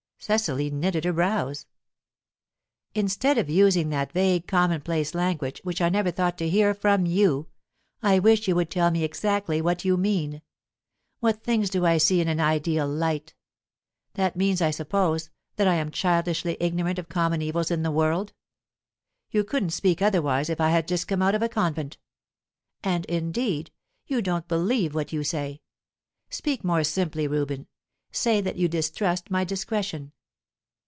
Cecily knitted her brows. "Instead of using that vague, commonplace language which I never thought to hear from you I wish you would tell me exactly what you mean. What things do I see in an ideal light? That means, I suppose, that I am childishly ignorant of common evils in the world. You couldn't speak otherwise if I had just come out of a convent. And, indeed, you don't believe what you say. Speak more simply, Reuben. Say that you distrust my discretion."